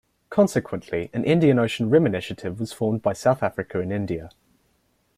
Consequently, an Indian Ocean Rim Initiative was formed by South Africa and India.